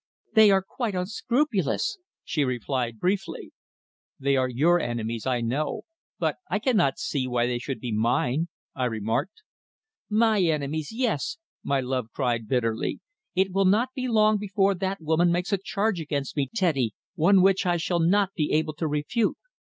"They are quite unscrupulous," she replied briefly. "They are your enemies, I know. But I cannot see why they should be mine," I remarked. "My enemies yes!" my love cried bitterly. "It will not be long before that woman makes a charge against me, Teddy one which I shall not be able to refute."